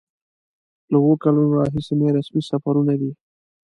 له اوو کلونو راهیسې مې رسمي سفرونه دي.